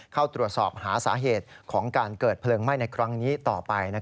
เข้าตรวจสอบหาสาเหตุของการเกิดเพลิงไหม้ในครั้งนี้ต่อไป